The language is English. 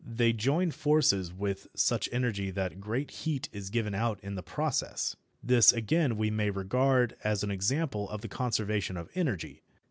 They join forces with such energy that great heat is given out in the process. This, again, we may regard as an example of the conservation of energy.